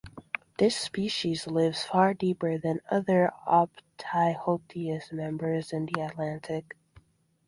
This species lives far deeper than other Opisthoteuthis members in the Atlantic.